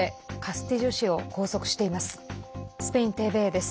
スペインＴＶＥです。